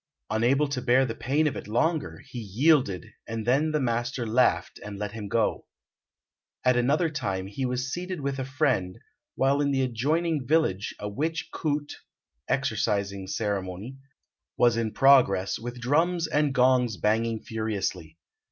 Unable to bear the pain of it longer, he yielded, and then the master laughed and let him go. At another time he was seated with a friend, while in the adjoining village a witch koot (exorcising ceremony) was in progress, with drums and gongs banging furiously.